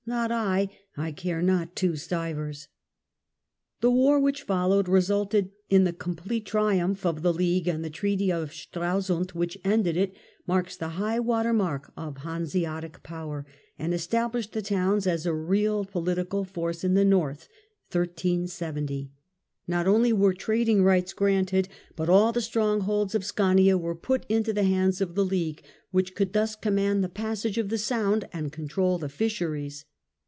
Not I I I care not two stivers. The war which followed resulted in the complete Treaty of triumph of the League, and the Treaty of Stralsund, 1370^^"""^' which ended it, marks the high water mark of Hanseatic power, and established the towns as a real political force in the North. Not only were trading rights granted, THE SHOKES OF THE BALTIC 237 but all the strongholds of Skaania were put into the hands of the League, which could thus command the passage of the Sound and control the fisheries.